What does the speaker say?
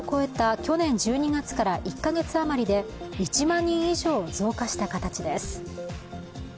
去年１２月から１か月余りで１万人以上、増加した形です。